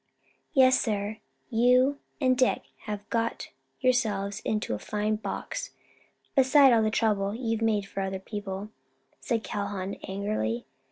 "Yes, sir, you and Dick have got yourselves into a fine box, beside all the trouble you've made for other people," said Calhoun angrily.